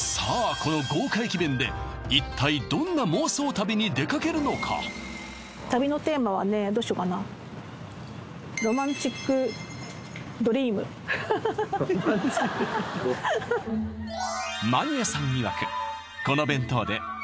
この豪華駅弁で一体どんな妄想旅に出かけるのかどうしようかなマニアさんいわく